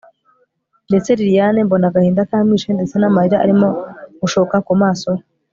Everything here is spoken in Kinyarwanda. ndebye liliane mbona agahinda kamwishe ndetse namarira arimo gushoka kumaso he